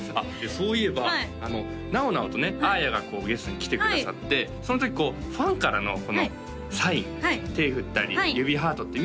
そういえばなおなおとねあーやがゲストに来てくださってその時こうファンからのサイン手振ったり指ハートって見えてる？